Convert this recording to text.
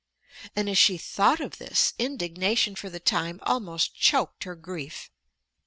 And as she thought of this, indignation for the time almost choked her grief.